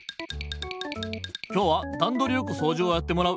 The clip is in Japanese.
今日はダンドリよくそうじをやってもらう。